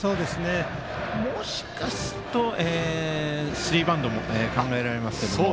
もしかするとスリーバントも考えられます。